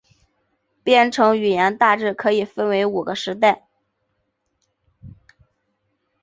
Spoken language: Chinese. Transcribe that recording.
编程语言大致可以分为五个世代。